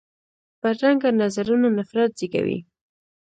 بدرنګه نظرونه نفرت زېږوي